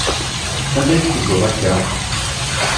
Anda i tettedduḍ akka?